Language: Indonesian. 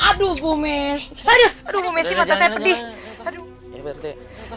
aduh bu messi mata saya pedih